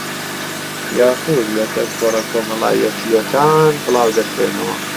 یاخوود لەسەر تۆڕە کۆمەڵایەتییەکان بڵاودەکرێنەوە